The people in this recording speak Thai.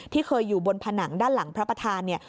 ที่เคยอยู่บนผนังด้านหลังพระประธานเนี่ย